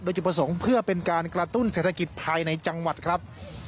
โดยจุดประสงค์เพื่อเป็นการกระตุ้นเศรษฐกิจภายในจังหวัดครับ